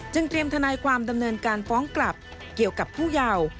เตรียมทนายความดำเนินการฟ้องกลับเกี่ยวกับผู้เยาว์